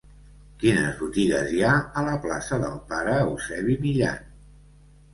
Quines botigues hi ha a la plaça del Pare Eusebi Millan?